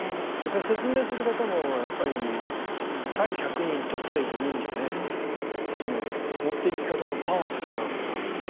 説明する方もやっぱり対１００人と対５人じゃあねその持っていき方のパワーが違うから。